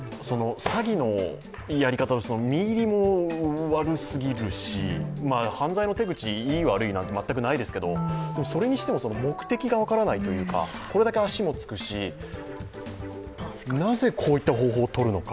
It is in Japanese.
詐欺のやり方も実入りも悪すぎるし、犯罪の手口、いい悪いなんて全くないですけど、それにしても目的が分からないというかこれだけ足もつくし、なぜこういった方法をとるのか。